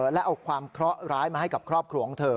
และเอาความเคราะหร้ายมาให้กับครอบครัวของเธอ